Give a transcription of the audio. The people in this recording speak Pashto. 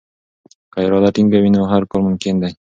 که اراده ټینګه وي نو هر کار ممکن دی.